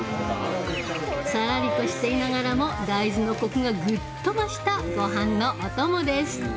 さらりとしていながらも大豆のコクが、ぐっと増したごはんのお供です。